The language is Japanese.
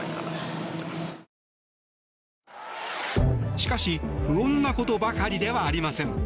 しかし、不穏なことばかりではありません。